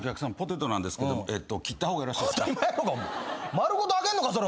丸ごと揚げんのかそれ。